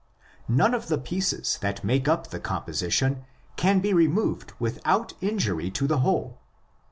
None of the pieces that make up the composition can be removed without injury to the whole.